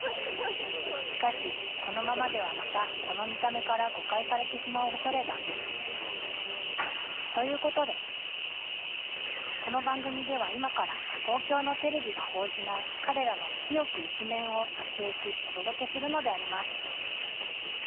しかしこのままではまたこの見た目から誤解されてしまうおそれがこの番組では今から東京のテレビが報じない彼らの清き一面を撮影しお届けするのであります